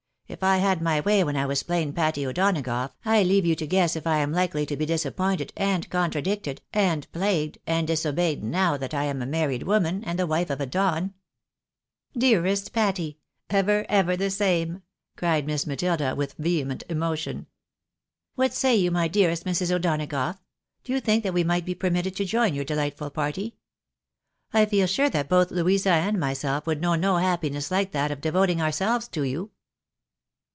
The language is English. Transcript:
If I had my way when I was plain Patty O'Donagough, I leave you to guess if I am Hkely to be disappointed, and contradicted, and plagued, and disobeyed now that I am a married woman, and the wife of a Don." " Dearest Patty !— ever, ever the same !" cried Miss Matilda, with vehement emotion. " What say you, my dearest Mrs. O'Do nagough ? Do you think that we might be permitted to join your deUghtful party ? I feel sure that both Louisa and myself would know no happiness like that of devoting ourselves to you."